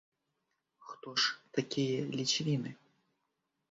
Хто ж такія ліцвіны?